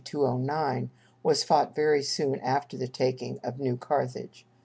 209, was fought very soon after the taking of New Carthage.